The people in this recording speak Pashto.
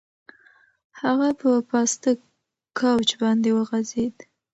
هغه په پاسته کوچ باندې وغځېد.